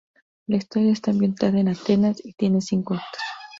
La historia está ambientada en Atenas y tiene cinco actos.